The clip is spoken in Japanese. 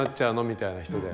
みたいな人で。